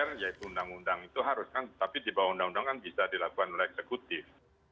kalau yang harus dengan dpr yaitu undang undang itu harus kan tapi di bawah undang undang kan bisa dilakukan oleh eksekutif